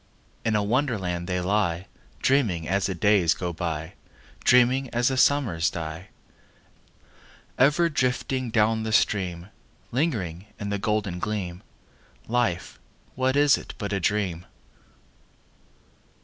In a Wonderland they lie, Dreaming as the days go by, Dreaming as the summers die: Ever drifting down the stream— Lingering in the golden gleam— Life, what is it but a dream?